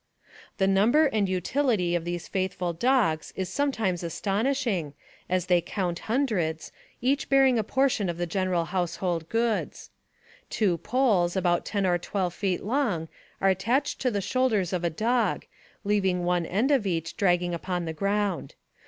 The number and utility of these faithful dogs is sometimes astonishing, as they count hundreds, each bearing a portion of the general household goods. Two poles, about ten or twelve feet long, are attached 94 NARRATIVE OF CAPTIVITY to the shoulders of a clog, leaving one end of each dragging upon the ground.